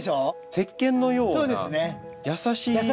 せっけんのような優しい香りですね。